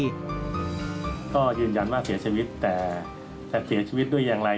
ก็ยืนยันว่าเสียชีวิตแต่จะเสียชีวิตด้วยอย่างไร